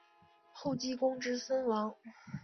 后积功至森王。